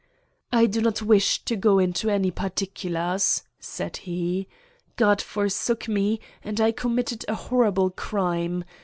"I do not wish to go into any particulars," said he. "God forsook me and I committed a horrible crime.